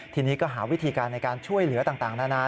ทีนี้ก็หาวิธีการในการช่วยเหลือต่างนานา